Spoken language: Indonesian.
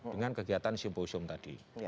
dengan kegiatan simposium tadi